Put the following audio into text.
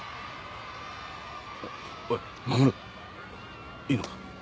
おい護いいのか？